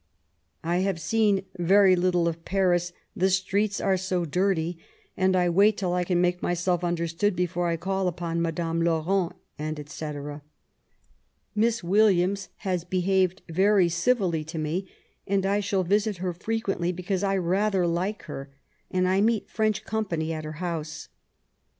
I have seen very little of Paris, the streets are so dirty ; and I wait till I can make myself understood before I call upon Madame Laurent, <fec. Miss Williams has behaved very civilly to me, and I shall visit her frequently because I ra^r like her, and I meet French company at her house.